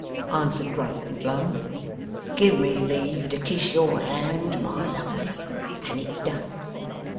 Answered Gruff and Glum, 'Give me leave to kiss your hand, my Lovely, and it's done!